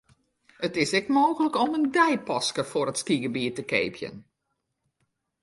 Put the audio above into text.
It is ek mooglik om in deipaske foar it skygebiet te keapjen.